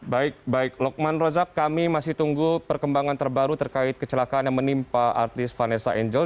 baik baik lukman rozak kami masih tunggu perkembangan terbaru terkait kecelakaan yang menimpa artis vanessa angel